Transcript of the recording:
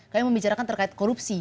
kami membicarakan terkait korupsi